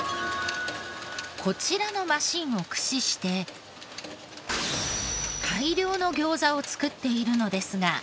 こちらのマシーンを駆使して大量の餃子を作っているのですが。